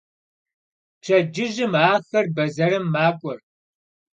Пщэдджыжьым ахэр бэзэрым макӏуэр.